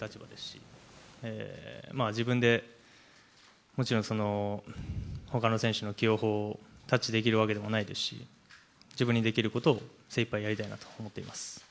自分でもちろん、ほかの選手の起用法に、タッチできるわけでもないですし、自分にできることを精いっぱいやりたいなと思っています。